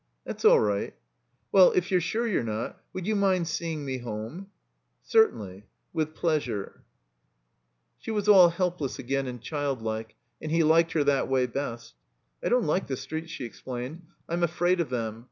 74 THE COMBINED MAZE ^'That's all right." *' Well — ^if you're sure you^re not — ^would you mind seeing me home?" "Certainly. With pleasure." She was all helpless again and childlike, and he liked her that way best. "I don't like the streets," she explained. "I'm afraid of them.